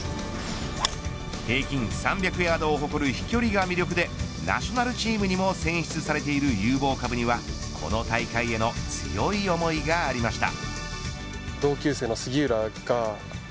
平均３００ヤードを誇る飛距離が魅力でナショナルチームにも選出されている有望株にはこの大会への強い思いがありました。